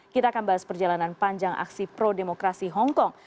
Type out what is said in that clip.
kita akan bahas perjalanan panjang aksi pro demokrasi hongkong